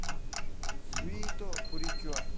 『スイートプリキュア』。